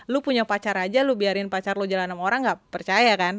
lu punya pacar aja lu biarin pacar lo jalan sama orang gak percaya kan